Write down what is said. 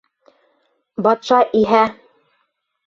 Батша иһә: